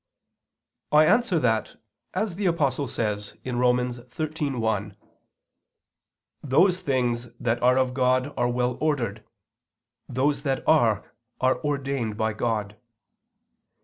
I answer that, As the Apostle says (Rom. 13:1), "those things that are of God are well ordered [Vulg.: 'those that are, are ordained by God]."